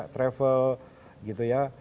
travel gitu ya